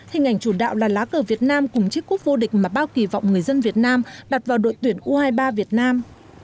hình ảnh chủ đạo là lá cờ việt nam cùng chiếc cúp vô địch mà bao kỳ vọng người dân việt nam đặt vào đội tuyển u hai mươi ba việt nam